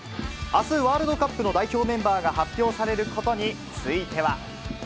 あす、ワールドカップの代表メンバーが発表されることについては。